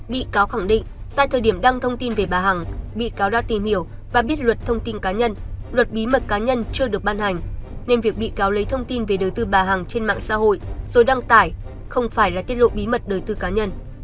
bị cáo khẳng định tại thời điểm đăng thông tin về bà hằng bị cáo đã tìm hiểu và biết luật thông tin cá nhân luật bí mật cá nhân chưa được ban hành nên việc bị cáo lấy thông tin về đời tư bà hằng trên mạng xã hội rồi đăng tải không phải là tiết lộ bí mật đời tư cá nhân